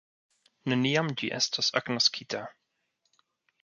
Neniam ĝi estos agnoskita.